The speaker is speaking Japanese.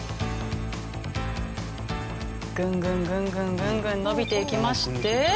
ぐんぐんぐんぐんぐんぐん伸びていきまして。